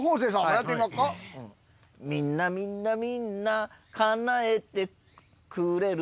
みんなみんなみんなかなえてくれる